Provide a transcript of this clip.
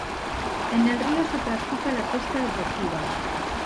En el río se practica la pesca deportiva.